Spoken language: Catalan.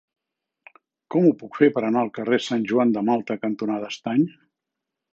Com ho puc fer per anar al carrer Sant Joan de Malta cantonada Estany?